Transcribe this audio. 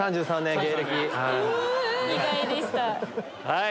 はい！